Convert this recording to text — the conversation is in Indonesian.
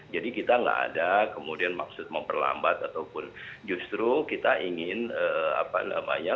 jadi kita enggak ada kemudian maksud memperlambat ataupun justru kita ingin apa namanya